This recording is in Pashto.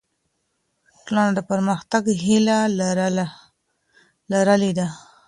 ټولنه د پرمختګ هیله لرلې ده.